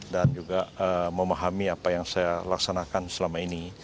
dan juga memahami apa yang saya laksanakan selama ini